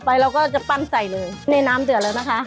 เราก็จะปั้นใส่เลยในน้ำเดือดแล้วนะคะ